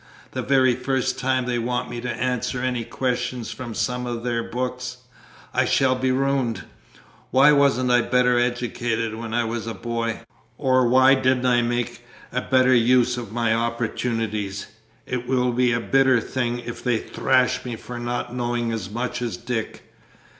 The very first time they want me to answer any questions from some of their books, I shall be ruined! Why wasn't I better educated when I was a boy, or why didn't I make a better use of my opportunities! It will be a bitter thing if they thrash me for not knowing as much as Dick.